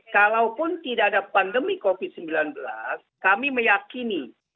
kalaupun tidak ada pandemi covid sembilan belas kami meyakini